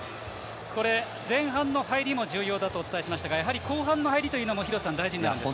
前半の入りも重要だとお伝えしましたがやはり後半の入りというのも廣瀬さん、大事になってきますか。